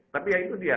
tapi ya itu dia